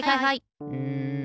うん。